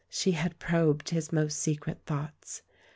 She had probed his most secret thoughts.